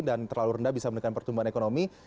dan terlalu rendah bisa menekan pertumbuhan ekonomi